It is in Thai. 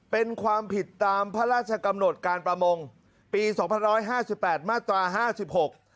เป็นความผิดตามพระราชกำหนดการประมงปีสองพันร้อยห้าสิบแปดมาตราห้าสิบหก